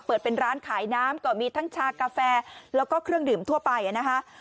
เปิดเป็นร้านขายน้ำก็มีทั้งชากาแฟแล้วก็เครื่องดื่มทั่วไปนะคะ